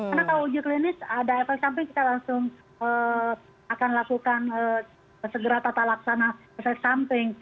karena kalau uji klinis ada efek samping kita langsung akan lakukan segera tata laksana efek samping